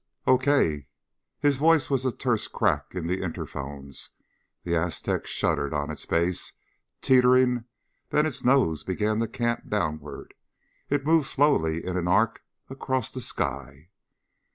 "Okay." His voice was a terse crack in the interphones. The Aztec shuddered on its base, teetering, then its nose began to cant downward. It moved slowly in an arc across the sky.